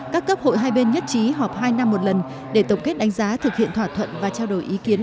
các cấp hội hai bên nhất trí họp hai năm một lần để tổng kết đánh giá thực hiện thỏa thuận và trao đổi ý kiến